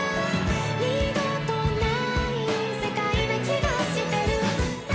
「二度とない世界な気がしてる」